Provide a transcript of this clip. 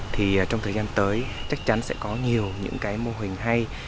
thì trong thời gian tới chắc chắn sẽ có nhiều những cái mô hình hay